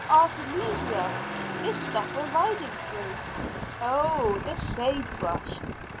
"Artemisia this stuff we're riding through." "Oh, the sage brush!